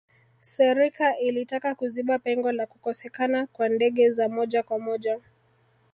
serika ilitaka kuziba pengo la kukosekana kwa ndege za moja kwa moja